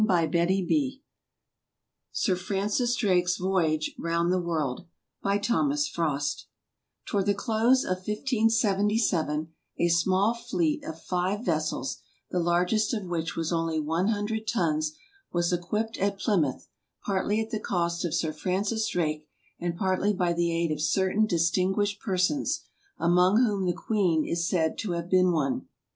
THE EARLY EXPLORERS Sir Francis Drake's Voyage Round the World By THOMAS FROST TOWARD the close of 1577 a small fleet of five vessels, the largest of which was only one hundred tons, was equipped at Plymouth, partly at the cost of Sir Francis Drake, and partly by the aid of certain distinguished per sons, among whom the queen is said to have been one.